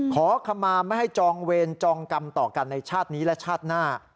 ขอคำมาไม่ให้จองเวรจองกรรมต่อกันในชาตินี้และชาติหน้า